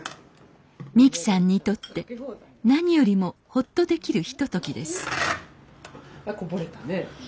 美紀さんにとって何よりもほっとできるひとときです